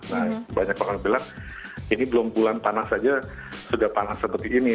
nah banyak orang bilang ini belum bulan panas saja sudah panas seperti ini